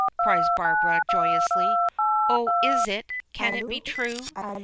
cries Barbara, joyously. "Oh, is it, can it be true?"